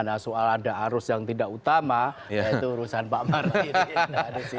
nah soal ada arus yang tidak utama yaitu urusan pak mardin